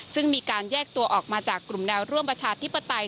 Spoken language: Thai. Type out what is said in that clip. ซึ่งมีการแยกตัวออกมาจากกลุ่มแนวร่วมประชาธิปไตย